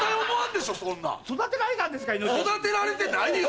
育てられてないよ！